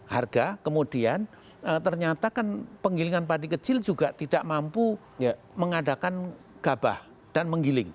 harga kemudian ternyata kan penggilingan padi kecil juga tidak mampu mengadakan gabah dan menggiling